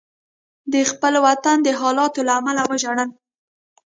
د خپل وطن د حالاتو له امله وژړل.